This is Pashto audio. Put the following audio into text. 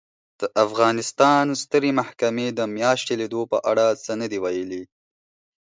د افغانستان سترې محکمې د میاشتې لیدو په اړه څه نه دي ویلي